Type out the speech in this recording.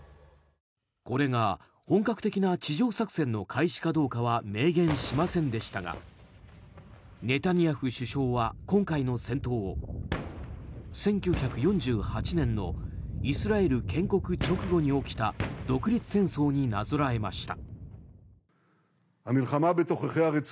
これが本格的な地上作戦の開始かどうかは明言しませんでしたがネタニヤフ首相は今回の戦闘を１９４８年のイスラエル建国直後に起きた独立戦争になぞらえました。